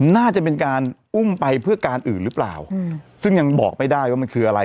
น่าจะเป็นการอุ้มไปเพื่อการอื่นหรือเปล่าซึ่งยังบอกไม่ได้ว่ามันคืออะไร